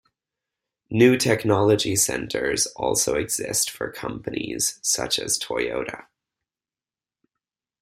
New technology centres also exist for companies such as Toyota.